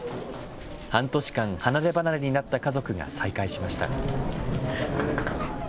半年間、離れ離れになった家族が再会しました。